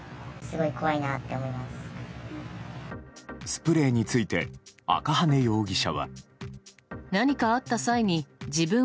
スプレーについて赤羽容疑者は。